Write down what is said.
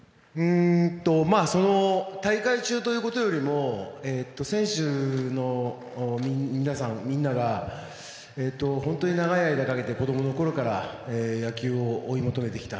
大会中ということよりも選手のみんなが本当に長い間かけて子供のころから野球を追い求めてきた。